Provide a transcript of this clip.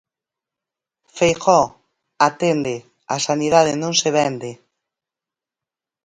Feijóo, atende, a sanidade non se vende.